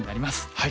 はい。